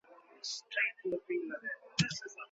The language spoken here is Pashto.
ولي زیارکښ کس د وړ کس په پرتله موخي ترلاسه کوي؟